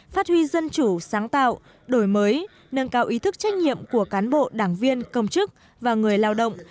phát huy dân chủ sáng tạo đổi mới nâng cao ý thức trách nhiệm của cán bộ đảng viên công chức và người lao động